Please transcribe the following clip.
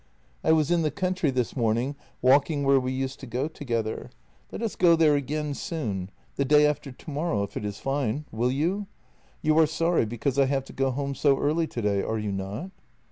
" I was in the country this morning, walking where we used to go together. Let us go there again soon — the day after to morrow if it is fine — will you? You are sorry because I have to go home so early today, are you not?